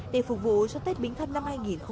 để phục vụ cho tết bính thân năm hai nghìn một mươi sáu